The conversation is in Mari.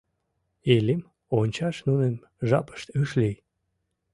Иллим ончаш нунын жапышт ыш лий.